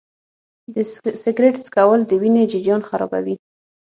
د سګرټ څکول د وینې جریان خرابوي.